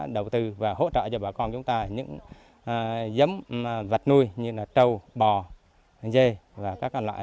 đầu tư và hỗ trợ cho bà con chúng ta những giống vật nuôi như là trâu bò dê và các loại